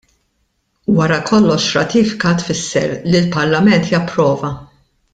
Wara kollox ratifika tfisser li l-Parlament japprova.